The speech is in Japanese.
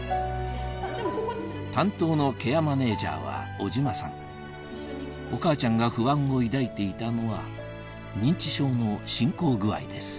担当のケアマネジャーは小島さんお母ちゃんが不安を抱いていたのは認知症の進行具合です